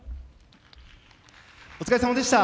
お疲れさまでした。